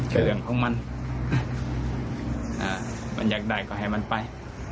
แต่เรื่องของมันมันอยากได้ก็ให้มันไป